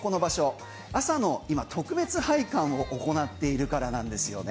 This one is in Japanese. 今、朝の特別拝観を行っているからなんですよね。